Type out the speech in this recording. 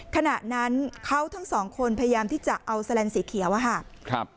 ขณะนั้นเขาทั้งสองคนพยายามที่จะเอาแลนสีเขียวอะค่ะครับ